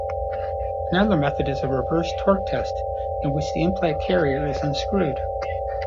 Another method is a reverse torque test, in which the implant carrier is unscrewed.